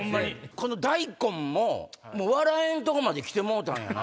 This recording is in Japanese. この大根も笑えんとこまで来てもうたんやな。